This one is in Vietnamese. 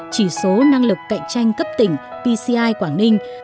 chỉ số năng lực cạnh tranh cấp tỉnh pci quảng ninh